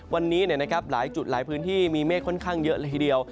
วันนี้หลายจุดหลายพื้นที่มีเมฆค่อนข้างเยอะเลยทีเดียว